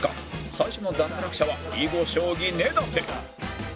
最初の脱落者は囲碁将棋根建